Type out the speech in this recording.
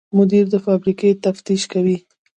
مدیر د فابریکې تفتیش کوي.